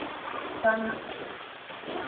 أقسى من الحجر